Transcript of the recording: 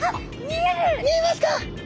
見えますか？